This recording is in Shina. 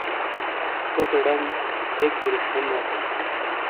کورے ڈھنگ ایک دریش ہِین واتوں۔